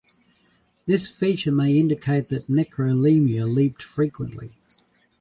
This feature may indicate that "Necrolemur" leaped frequently.